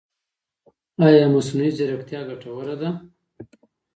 ایا مصنوعي ځیرکتیا ګټوره ده؟